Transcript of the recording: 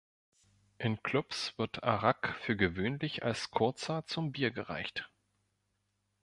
In Clubs wird Arak für gewöhnlich als Kurzer zum Bier gereicht.